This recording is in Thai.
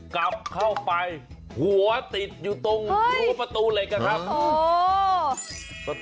กลับเข้าไปหัวติดอยู่ตรงรั้วประตูเหล็กนะครับ